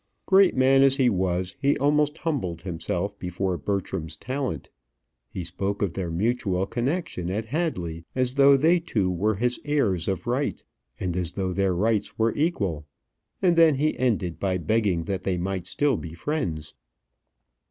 Great man as he was, he almost humbled himself before Bertram's talent. He spoke of their mutual connection at Hadley as though they two were his heirs of right, and as though their rights were equal; and then he ended by begging that they might still be friends.